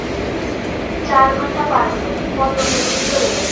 চার ঘন্টা পার হলো, পতংগগুলো চলে গেছে।